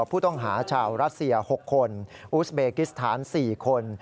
ผู้ต้องหาชาวรัสเซีย๖คนอุสเบกิสถาน๔คน